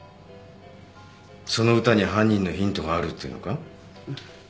その歌に犯人のヒントがあるっていうのか？